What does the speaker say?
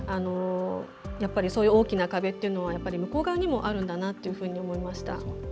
そういう大きな壁というのは向こう側にもあるんだなと思いました。